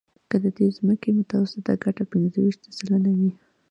که د دې ځمکې متوسطه ګټه پنځه ویشت سلنه وي